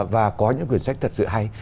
và có những quyển sách thật sự hay